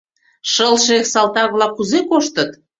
— Шылше салтак-влак кузе коштыт.